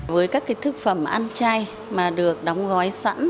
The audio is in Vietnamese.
với các thực phẩm ăn chay mà được đóng gói sẵn